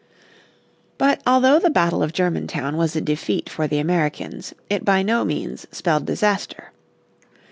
But although the battle of Germantown was a defeat for the Americans it by no means spelled disaster.